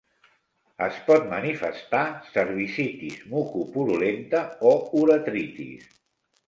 Es pot manifestar cervicitis mucopurulenta o uretritis.